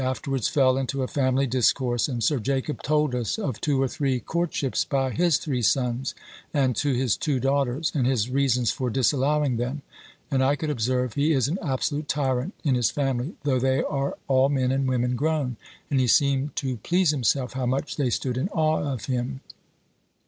afterwards fell into a family discourse; and Sir Jacob told us of two or three courtships by his three sons, and to his two daughters, and his reasons for disallowing them: and I could observe, he is an absolute tyrant in his family, though they are all men and women grown, and he seemed to please himself how much they stood in awe of him.